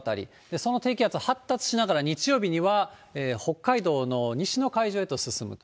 その低気圧、発達しながら日曜日には北海道の西の海上へと進む。